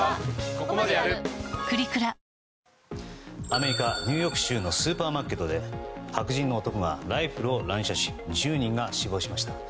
アメリカニューヨーク州のスーパーマーケットで白人の男がライフルを乱射し１０人が死亡しました。